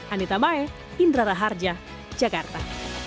anita mae indra raharja jakarta